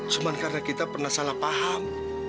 cuma karena kita pernah salah paham